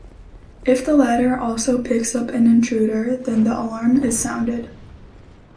If the latter also picks up an intruder, then the alarm is sounded.